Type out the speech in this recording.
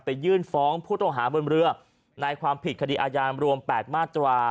ยื่นฟ้องผู้ต้องหาบนเรือในความผิดคดีอาญารวม๘มาตรา